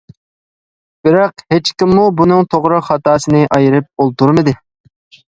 بىراق ھېچكىممۇ بۇنىڭ توغرا-خاتاسىنى ئايرىپ ئولتۇرمىدى.